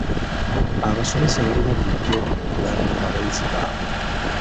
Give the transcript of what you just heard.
Abasomesa balina bulijjo okulambika abayizi baabwe.